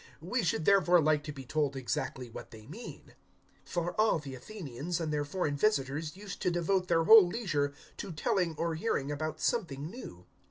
We should therefore like to be told exactly what they mean." 017:021 (For all the Athenians and their foreign visitors used to devote their whole leisure to telling or hearing about something new.)